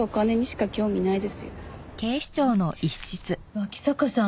脇坂さん